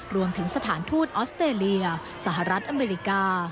สถานทูตออสเตรเลียสหรัฐอเมริกา